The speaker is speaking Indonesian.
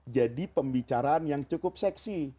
jadi pembicaraan yang cukup seksi